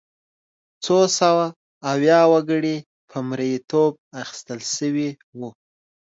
څو سوه ویا وګړي په مریتوب اخیستل شوي وو.